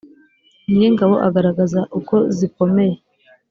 nyir ‘ingabo agaragaza ukozikomeye.